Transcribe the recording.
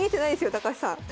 高橋さん。